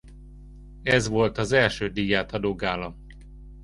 Ez volt az első díjátadó gála.